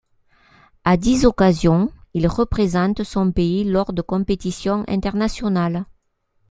À dix occasions, il représente son pays lors de compétitions internationales.